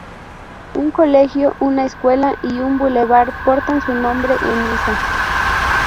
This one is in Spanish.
Un Colegio, una Escuela, y un bulevar portan su nombre en Niza